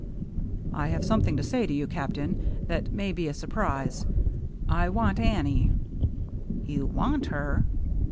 " I have something to say to you. Captain, that may be a surprise, — I want Annie." "You want her?"